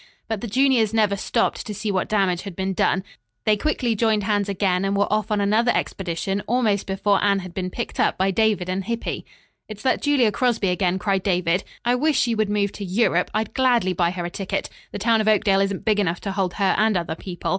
But the juniors never stopped to see what damage had been done. They quickly joined hands again, and were off on another expedition almost before Anne had been picked up by David and Hippy. "It's that Julia Crosby again," cried David. "I wish she would move to Europe. I'd gladly buy her a ticket. The town of Oakdale isn't big enough to hold her and other people.